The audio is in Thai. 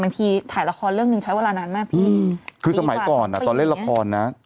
บางทีถ่ายละครเรื่องหนึ่งใช้เวลานานมากพี่คือสมัยก่อนอ่ะตอนเล่นละครนะ